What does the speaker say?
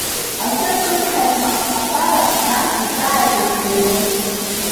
Асы кыдҳаит маҟҿаҳәара, нас иҵааит еиҩжәаны.